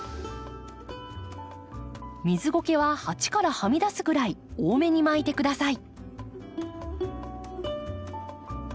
水ゴケは鉢からはみ出すぐらい多めに巻いて下さい。